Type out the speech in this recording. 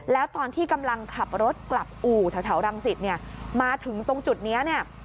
แล้วตอนที่กำลังขับรถกลับอู่แถวรังสิตเนี่ยมาถึงตรงจุดนี้เนี่ย